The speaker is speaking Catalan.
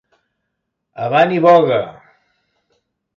Avant i voga.